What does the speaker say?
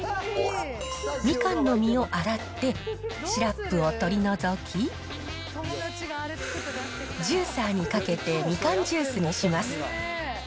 みかんの実を洗って、シラップを取り除き、ジューサーにかけてみかんジュースにします。